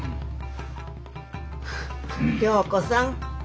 良子さん。